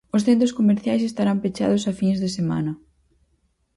Os centros comerciais estarán pechados as fins de semana.